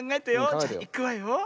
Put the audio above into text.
じゃいくわよ。